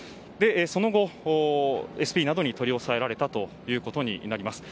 その後ＳＰなどに取り押さえられたということになります。